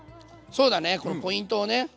そうだねこのポイントをね。